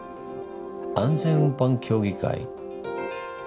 安全運搬協議会？